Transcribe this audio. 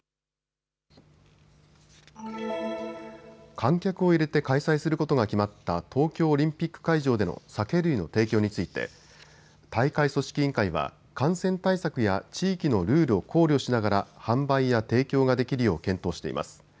観客を入れて開催することが決まった東京オリンピック会場での酒類の提供について大会組織委員会は感染対策や地域のルールを考慮しながら販売や提供ができるよう検討しています。